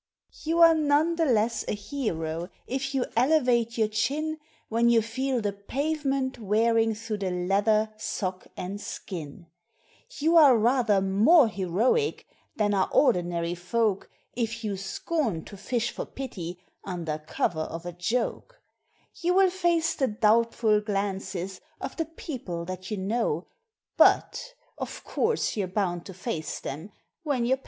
You are none the less a hero if you elevate your chin When you feel the pavement wearing through the leather, sock and skin; You are rather more heroic than are ordinary folk If you scorn to fish for pity under cover of a joke; You will face the doubtful glances of the people that you know ; But of course, you're bound to face them when your pants begin to go.